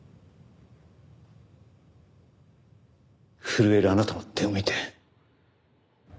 震えるあなたの手を見て。